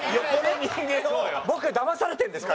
僕はだまされてるんですか？